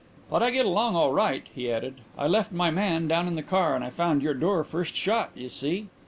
"But I get along all right," he added. "I left my man down in the car and I found your door first shot, you see."